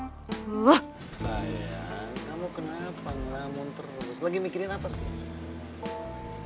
sayang kamu kenapa ngelamun terus lagi mikirin apa sih